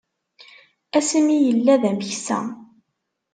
Asmi yella d ameksa.